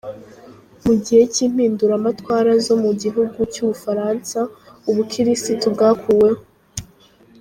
Mu gihe cy’impinduramatwara zo mu gihugu cy’ubufaransa, ubukirisitu bwakuweho.